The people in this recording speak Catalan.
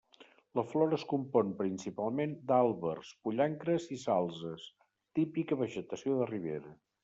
La flora es compon principalment d'àlbers, pollancres i salzes, típica vegetació de ribera.